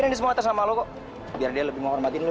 nanti semua sama lo kok biar dia lebih menghormati lu